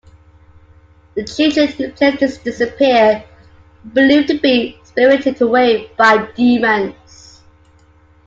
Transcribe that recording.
The children who play this disappear, believed to be spirited away by demons.